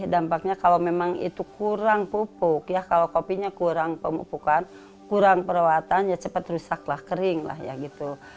dampaknya kalau memang itu kurang pupuk ya kalau kopinya kurang pemupukan kurang perawatan ya cepat rusaklah kering lah ya gitu